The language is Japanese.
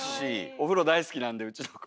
お風呂大好きなんでうちの子。